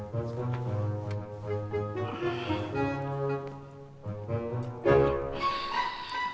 comot asam tu itu itu buat kita